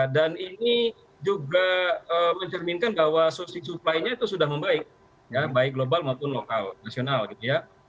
dan ini juga mencerminkan bahwa sisi supply nya itu sudah membaik ya baik global maupun lokal nasional gitu ya